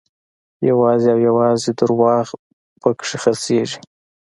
یوازې او یوازې درواغ په کې خرڅېږي.